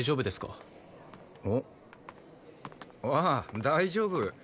ああ大丈夫。